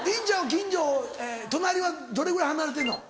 近所隣はどれぐらい離れてるの？